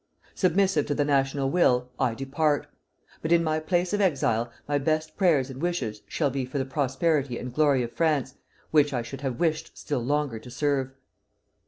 Submissive to the national will, I depart; but in my place of exile my best prayers and wishes shall be for the prosperity and glory of France, which I should have wished still longer to serve.